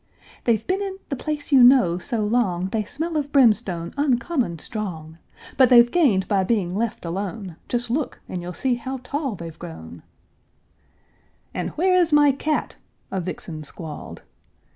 "They've been in the place you know so long They smell of brimstone uncommon strong; But they've gained by being left alone, Just look, and you'll see how tall they've grown." "And where is my cat?" a vixen squalled.